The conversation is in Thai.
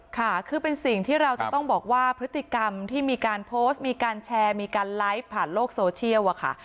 ค่ะคือเป็นสิ่งที่เราจะต้องบอกว่าพฤติกรรมที่มีการโพสต์มีการแชร์มีการไลฟ์ผ่านโลกโซเชียลอะค่ะ